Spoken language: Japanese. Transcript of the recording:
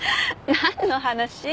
何の話？